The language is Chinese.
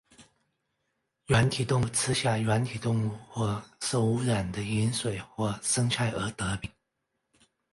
软体动物吃下软体动物或受污染的饮水或生菜而得病。